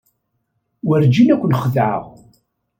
Werǧin ad ken-xedɛeɣ.